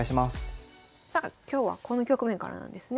さあ今日はこの局面からなんですね。